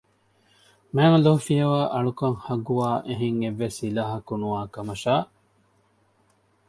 ﷲ ފިޔަވައި އަޅުކަން ޙައްޤުވާ އެހެން އެއްވެސް އިލާހަކު ނުވާކަމަށާ